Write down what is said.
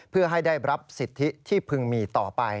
เพื่อให้ได้รับสิทธิที่พึงมีต่อไป